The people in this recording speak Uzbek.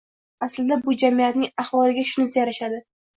Aslida bu jamiyatning ahvoliga shunisi yarashadi.